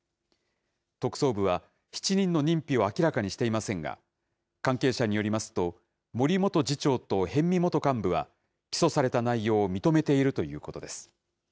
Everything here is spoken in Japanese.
特捜部は、７人の認否を明らかにしていませんが、関係者によりますと、森元次長と逸見元幹部は、起訴された内容を認めているということです。